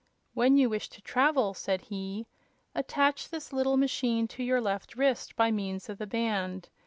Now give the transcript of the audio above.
"When you wish to travel," said he, "attach this little machine to your left wrist by means of the band.